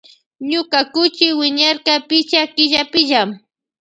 Ñuka kuchi wiñarka pichka killapilla.